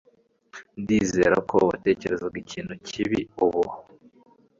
Ndizera ko watekerezaga ikintu kibi ubu.